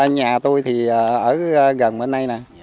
nhà tôi thì ở gần bên đây